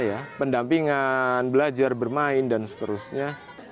kita kasih pendampingan belajar bermain dan seterusnya